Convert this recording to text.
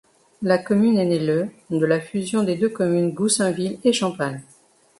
La commune est née le de la fusion des deux communes Goussainville et Champagne.